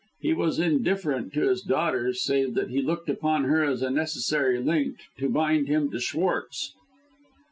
He was indifferent to his daughter, save that he looked upon her as a necessary link to bind him to Schwartz.